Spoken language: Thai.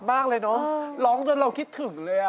ร้องขึ้นมากเลยเนอะร้องจนเราคิดถึงเลยอ่ะ